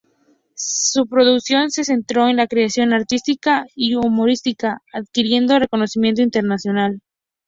Su producción se centró en la creación artística y humorística adquiriendo reconocimiento internacional.